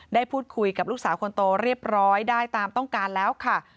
ได้พูดคุยกับลูกสาวคนโตเรียบร้อยได้ตามต้องการแล้วค่ะ